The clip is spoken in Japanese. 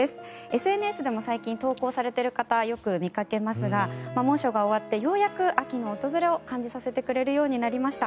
ＳＮＳでも最近投稿されている方よく見かけますが猛暑が終わってようやく秋の訪れを感じさせてくれるようになりました。